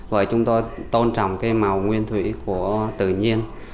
và chúng tôi tôn trọng cái màu nguyên thủy của tự nhiên